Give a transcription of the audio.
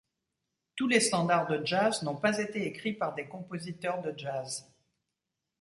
Tous les standards de jazz n'ont pas été écrits par des compositeurs de jazz.